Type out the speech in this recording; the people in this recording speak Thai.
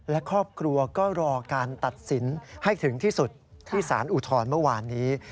และครอบครัวก็รอการตัดสินให้ถึงที่สุดที่สารอุทธรณ์เมื่อวานนี้